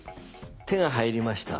手が入りました。